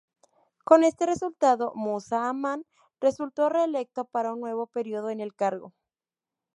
Con este resultado, Musa Aman resultó reelecto para un nuevo período en el cargo.